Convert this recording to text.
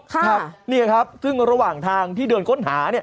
ครับนี่ครับซึ่งระหว่างทางที่เดินค้นหาเนี่ย